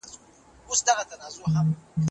رسول الله هم ورځ ورته تعين کړه.